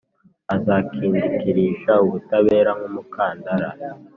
Azakindikirisha ubutabera nk’umukandara,